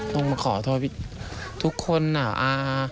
ต้องมาขอโทษทุกคนอ่ะ